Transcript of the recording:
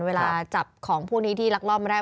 เวลาจับของพวกนี้ที่ลักลอบมาได้